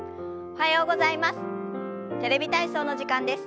おはようございます。